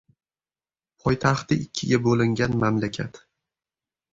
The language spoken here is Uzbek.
Poytaxti ikkiga bo‘lingan mamlakat